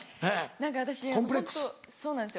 何か私ホントそうなんですよ。